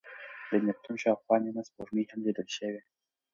د نیپتون شاوخوا نیمه سپوږمۍ هم لیدل شوې.